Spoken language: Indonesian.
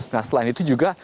nah selain itu juga